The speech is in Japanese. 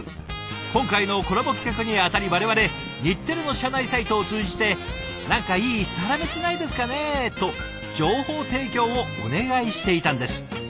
今回のコラボ企画にあたり我々日テレの社内サイトを通じて何かいいサラメシないですかね？と情報提供をお願いしていたんです。